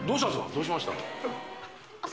どうしました？